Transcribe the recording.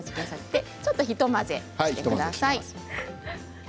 ちょっと、一混ぜしてください。